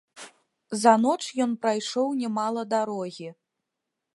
За ноч ён прайшоў нямала дарогі.